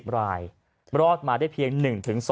๒๐รายรอดมาได้เพียง